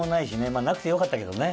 まぁなくてよかったけどね。